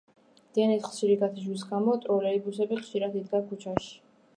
დენის ხშირი გათიშვის გამო ტროლეიბუსები ხშირად იდგა ქუჩაში.